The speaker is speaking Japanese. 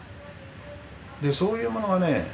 そういうものがね